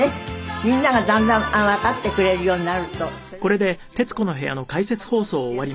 みんながだんだんわかってくれるようになるとそれはいいですよね。